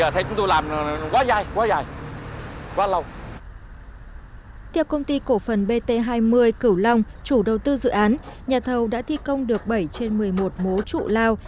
theo công ty cổ phần bt hai mươi cửu long chủ đầu tư dự án nhà thầu đã thi công được bảy trên một mươi một mố trụ lao